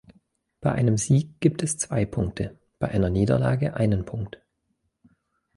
Bei einem Sieg gibt es zwei Punkte, bei einer Niederlage einen Punkt.